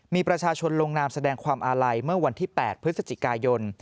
มีประชาชนลงนามแสดงความอาลัยเมื่อวันที่๘พฤศจิกายน